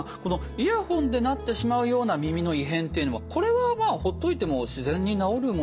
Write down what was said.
イヤホンでなってしまうような耳の異変っていうのはこれはほっといても自然に治るものじゃないんですかね？